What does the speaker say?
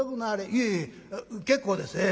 「いえいえ結構です。